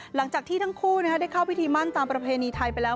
หลังจากที่ทั้งคู่ได้เข้าพิธีมั่นตามประเพณีไทยไปแล้ว